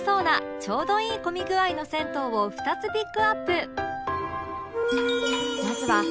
ちょうどいい混み具合の銭湯を２つピックアップ